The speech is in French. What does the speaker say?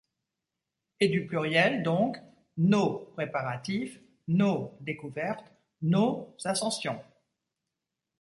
Et du pluriel donc: « Nos » préparatifs..., « nos » découvertes..., « nos » ascensions...